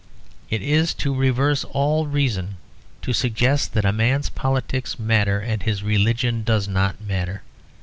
It is to reverse all reason to suggest that a man's politics matter and his religion does not matter.